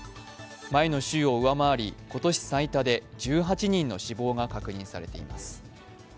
前の週を上回り今年最多で１８人の死亡が確認されています。